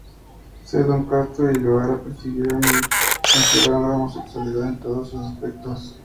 Zedong, Castro y Guevara persiguieron y censuraron la homosexualidad en todos sus aspectos.